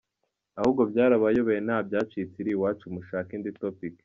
ahubwo byarabayobeye ntabyacitse iri iwacu mushake indi Topic